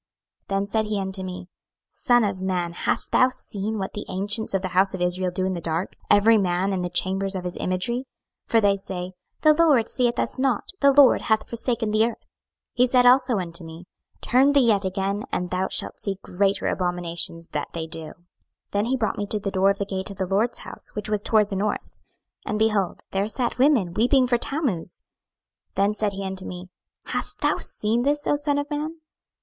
26:008:012 Then said he unto me, Son of man, hast thou seen what the ancients of the house of Israel do in the dark, every man in the chambers of his imagery? for they say, the LORD seeth us not; the LORD hath forsaken the earth. 26:008:013 He said also unto me, Turn thee yet again, and thou shalt see greater abominations that they do. 26:008:014 Then he brought me to the door of the gate of the LORD's house which was toward the north; and, behold, there sat women weeping for Tammuz. 26:008:015 Then said he unto me, Hast thou seen this, O son of man?